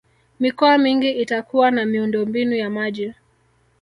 mikoa mingi itakuwa na miundombinu ya maji